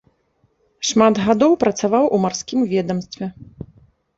Шмат гадоў працаваў у марскім ведамстве.